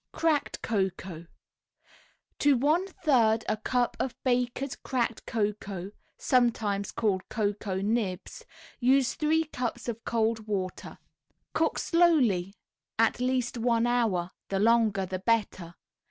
CRACKED COCOA To one third a cup of Baker's Cracked Cocoa (sometimes called "Cocoa Nibs") use three cups of cold water; cook slowly at least one hour the longer the better.